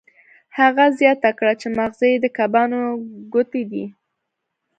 هغه زیاته کړه چې ماغزه یې د کبانو ګوتې دي